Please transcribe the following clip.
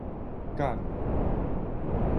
𡢃